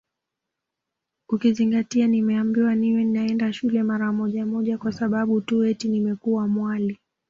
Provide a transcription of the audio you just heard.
Ukizingatia nimeambiwa niwe naenda shule mara moja moja kwa sababu tu eti nimekuwa mwali